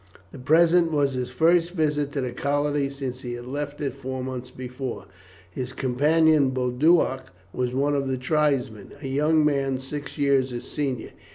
The present was his first visit to the colony since he had left it four months before. His companion, Boduoc, was one of the tribesmen, a young man six years his senior.